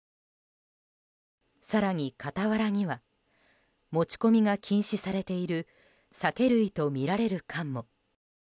更に、傍らには持ち込みが禁止されている酒類とみられる缶も。